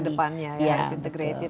kedepannya ya harus integratif